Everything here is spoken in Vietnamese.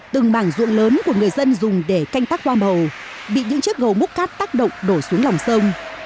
từng màng ruộng lớn của người dân dùng để canh tắc hoa màu bị những chiếc gầu múc cát tác động đổ xuống lòng sông